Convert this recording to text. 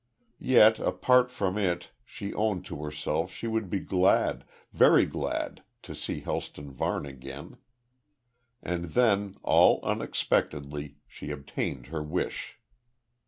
Yet, apart from it, she owned to herself she would be glad, very glad, to see Helston Varne again. And then, all unexpectedly, she obtained her wish.